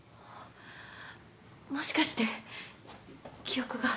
もしかして記憶が？